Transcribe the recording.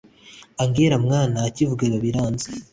angella mwana akivuga biba biranze